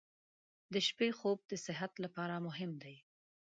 • د شپې خوب د صحت لپاره مهم دی.